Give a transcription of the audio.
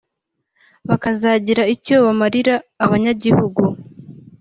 bakazagira icyo bamarira abanyagihugu